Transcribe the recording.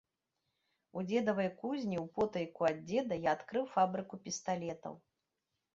У дзедавай кузні, употайку ад дзеда, я адкрыў фабрыку пісталетаў.